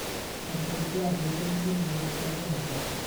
Cafodd ei gladdu ym mynwent Llandderfel.